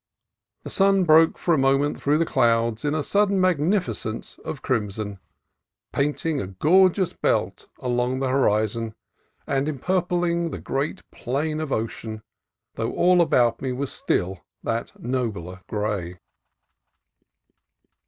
The sun broke for a moment through the clouds in a sudden magnificence of crimson, painting a gorgeous belt along the horizon and empurpling the great plain of ocean, though all about me was still that nobler gray.